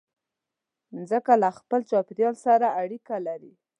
مځکه له خپل چاپېریال سره اړیکه لري.